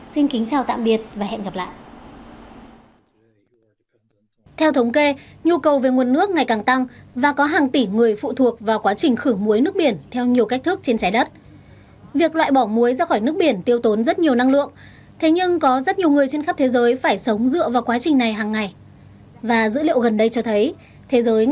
xin kính chào tạm biệt và hẹn gặp lại